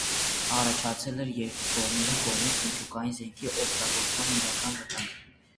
Առաջացել էր երկու կողմերի կողմից միջուկային զենքի օգտագործման իրական վտանգ։